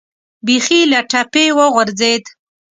بیخي له ټپې وغورځېد.